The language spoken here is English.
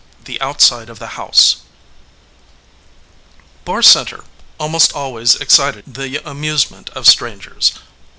THE OUTSIDE OF THE HOUSE BARR CENTER almost always excited the amusement of strangers.